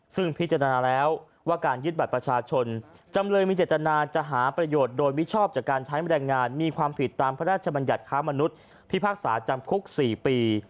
ซึ่งพิจารณาแล้วว่าการยึดบัตรประชาชนจำเลยมีเจตนาจะหาประโยชน์โดยมิชอบจากการใช้แรงงานมีความผิดตามพระราชบัญญัติค้ามนุษย์พิพากษาจำคุก๔ปี